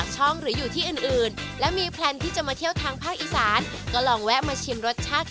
จะมาไม่ถึงปากช่องด้วย